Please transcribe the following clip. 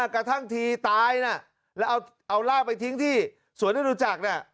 กระทั่งทีตายนะแล้วเอาร่างไปทิ้งที่สวนนรุจักร